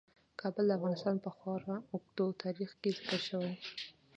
کابل د افغانستان په خورا اوږده تاریخ کې ذکر دی.